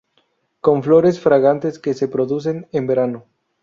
Con flores fragantes que se producen en verano.